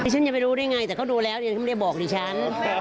ฉันยังไม่รู้ได้ยังไงแต่เขาดูแล้วยังไม่ได้บอกดิฉัน